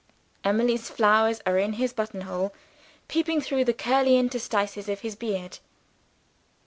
Emily's flowers are in his button hole, peeping through the curly interstices of his beard.